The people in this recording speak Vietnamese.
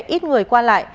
ít người qua lại